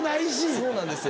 そうなんですよ。